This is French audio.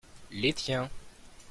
les tiens.